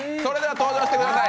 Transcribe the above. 登場してください。